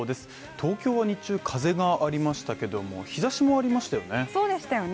東京日中、風がありましたけども日差しもありましたよね